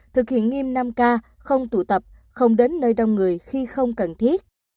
thực hiện nghiêm năm k không tụ tập không đến nơi đông người khi không cần thiết